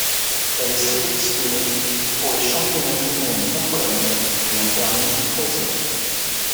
Elle est sélectionnées pour les championnats du monde contre-la-montre et en termine treizième.